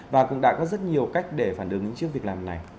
và cũng đã có rất nhiều cách để phản ứng những chiếc việc làm này